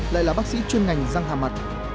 lại là bác sĩ chuyên ngành răng hà mặt